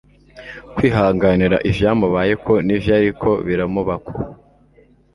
kwihanganira ivyamubayeko nivyariko biramubako………